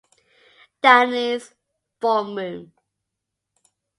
Downing's form room.